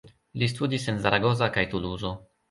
Li studis en Zaragoza kaj Tuluzo.